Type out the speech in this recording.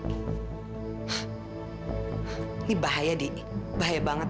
ini bahaya nih bahaya banget